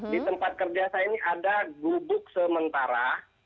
di tempat kerja saya ini ada gubuk sementara